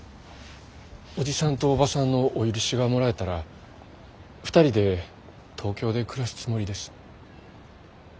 おじさんとおばさんのお許しがもらえたら２人で東京で暮らすつもりです。